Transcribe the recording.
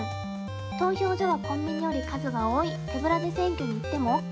投票所はコンビニより数が多い、手ぶらで選挙に行ってもＯＫ。